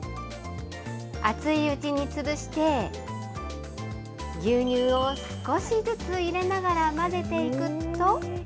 熱いうちに潰して、牛乳を少しずつ入れながら混ぜていくと。